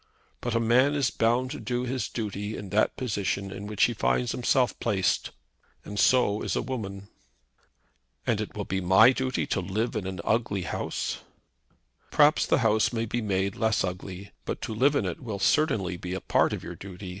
But a man is bound to do his duty in that position in which he finds himself placed, and so is a woman." "And it will be my duty to live in an ugly house?" "Perhaps the house may be made less ugly; but to live in it will certainly be a part of your duty.